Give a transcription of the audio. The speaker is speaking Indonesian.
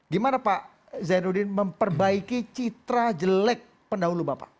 gimana pak zainuddin memperbaiki citra jelek pendahulu bapak